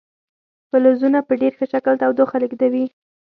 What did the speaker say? فلزونه په ډیر ښه شکل تودوخه لیږدوي.